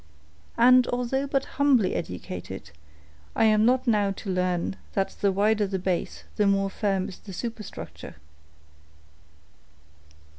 And although but humbly educated, I am not now to learn that the wider the base, the more firm is the superstructure."